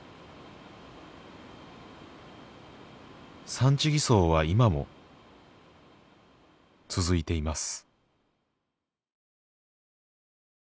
産地偽装は今も続いています